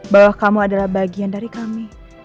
bahwa kamu adalah bagian dari kami